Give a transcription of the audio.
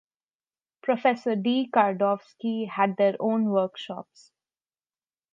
Professor D. Kardovsky had their own workshops.